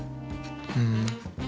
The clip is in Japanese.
ふん。